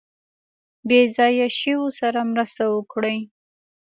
بې ځایه شویو سره مرسته وکړي.